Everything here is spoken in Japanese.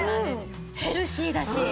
ヘルシーだし。